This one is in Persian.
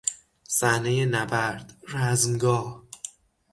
صحنهی نبرد، رزمگاه